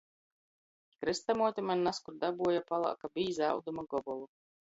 Krystamuote maņ naz kur dabuoja palāka, bīza auduma gobolu.